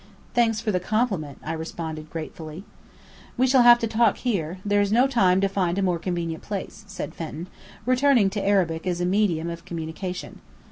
"Thanks for the compliment," I responded gratefully. "We shall have to talk here. There's no time to find a more convenient place," said Fenton, returning to Arabic as a medium of communication.